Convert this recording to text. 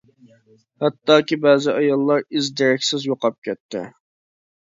ھەتتاكى بەزى ئاياللار ئىز دېرەكسىز يوقاپ كەتتى.